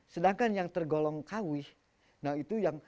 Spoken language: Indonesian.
sedangkan yang tergolong kawi itu yang lebih lantang